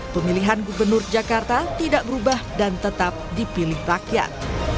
pemilihan gubernur jakarta tidak berubah dan tetap dipilih rakyat